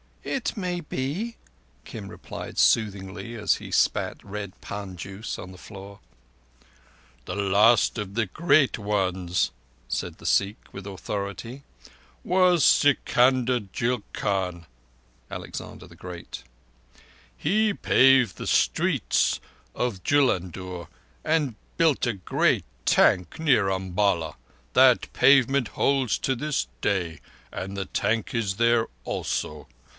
"It may be," Kim replied soothingly, as he spat red pan juice on the floor. "The last of the Great Ones," said the Sikh with authority, "was Sikander Julkarn [Alexander the Great]. He paved the streets of Jullundur and built a great tank near Umballa. That pavement holds to this day; and the tank is there also.